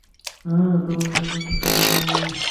Tomato কাটা শুরু করিনি।